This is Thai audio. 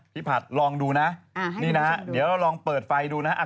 ผัดลองดูนะนี่นะเดี๋ยวเราลองเปิดไฟดูนะฮะ